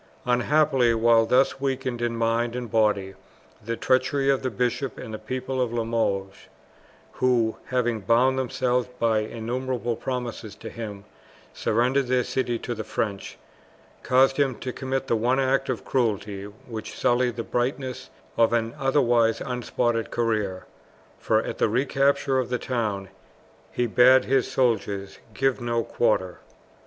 Unhappily, while thus weakened in mind and body the treachery of the bishop and people of Limoges, who, having bound themselves by innumerable promises to him, surrendered their city to the French, caused him to commit the one act of cruelty which sullied the brightness of an otherwise unspotted career, for at the recapture of the town he bade his soldiers give no quarter.